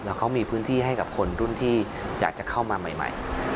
แล้วเขามีพื้นที่ให้กับคนรุ่นที่อยากจะเข้ามาใหม่